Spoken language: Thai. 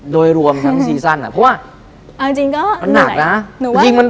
โดยรวมทั้งเซีซองแหละเพราะว่าอะมันหนักนะอาจเป็นเนี่ย